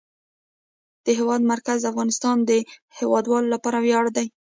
د هېواد مرکز د افغانستان د هیوادوالو لپاره ویاړ دی.